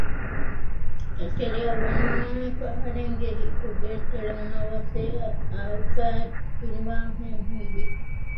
އެތެރެޔަށް ވަނުމާއެކު އަހަރެންގެ ހިތުގެ ތެޅުން އަވަސްވެ އަތްފައި ފިނިވާހެން ހީވި